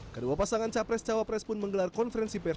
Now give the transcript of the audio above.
kedua pasangan capres cawapres pun menggelar konferensi pers